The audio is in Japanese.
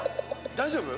大丈夫？